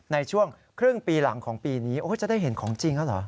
ในช่วงครึ่งปีหลังของปีนี้จะได้เห็นของจริงแล้วเหรอ